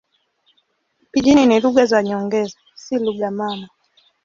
Pijini ni lugha za nyongeza, si lugha mama.